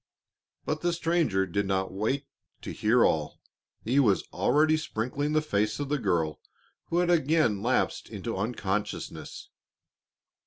But the stranger did not wait to hear all, he was already sprinkling the face of the girl, who had again lapsed into unconsciousness.